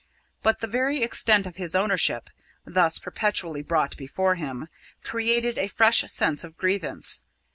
But the very extent of his ownership, thus perpetually brought before him, created a fresh sense of grievance.